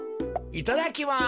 いただきます。